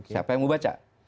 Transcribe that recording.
siapa yang mau baca